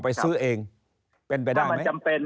ไปซื้อเองเป็นไปได้ไหม